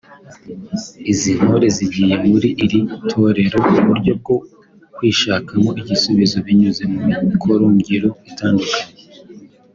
Izi ntore zigiye muri iri torero uburyo bwo kwishakamo ibisubizo binyuze mu mikoro ngiro itandukanye